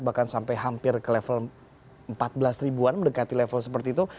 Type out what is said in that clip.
bahkan sampai hampir ke level empat belas ribuan mendekati level seperti itu